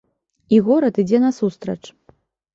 І горад ідзе насустрач.